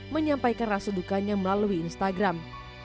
menyampaikan rasa dukanya melalui instagram